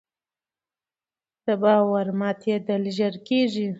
د باور ماتېدل ژر کېږي